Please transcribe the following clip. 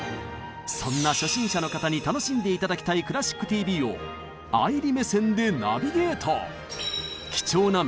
そんな初心者の方に楽んで頂きたい「クラシックＴＶ」を愛理目線でナビゲート！